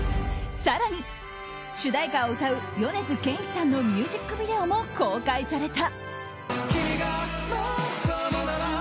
更に、主題歌を歌う米津玄師さんのミュージックビデオも公開された。